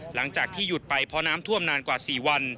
หลังจากที่หยุดไปเพราะน้ำท่วมนานกว่า๔วัน